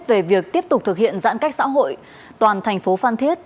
về việc tiếp tục thực hiện giãn cách xã hội toàn thành phố phan thiết